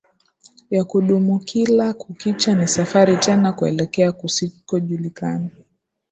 ya kudumuKila kukicha ni safari tena kuelekea kusikojulikana